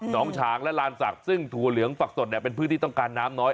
ฉางและลานศักดิ์ซึ่งถั่วเหลืองฝักสดเนี่ยเป็นพื้นที่ต้องการน้ำน้อย